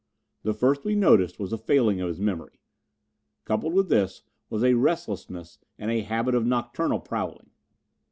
"The first we noticed was a failing of his memory. Coupled with this was a restlessness and a habit of nocturnal prowling.